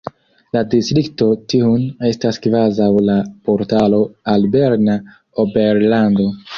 La distrikto Thun estas kvazaŭ la portalo al Berna Oberlando.